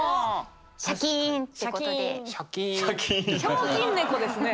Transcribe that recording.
ひょうきん猫ですね。